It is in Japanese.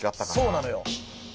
そうなのよ。